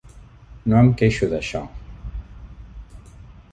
No em queixo d'això.